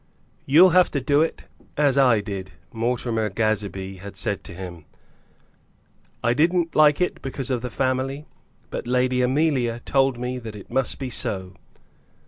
"You'll have to do it, as I did," Mortimer Gazebee had said to him; "I didn't like it because of the family, but Lady Amelia told me that it must be so."